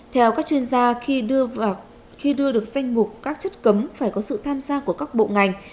theo các chuyên gia khi đưa được danh mục các chất cấm phải có sự tham gia của các bộ ngành